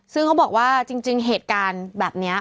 ซึ่งเขาบอกว่าจริงเหตุการณ์แบบนี้